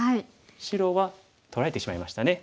白は取られてしまいましたね。